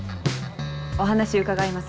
お話伺います。